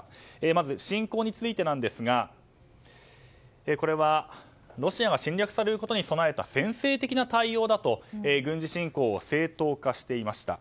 まず侵攻についてロシアが侵略されることに備えた先制的な対応だと、軍事侵攻を正当化していました。